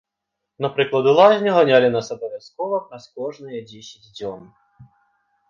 Напрыклад, у лазню ганялі нас абавязкова праз кожныя дзесяць дзён.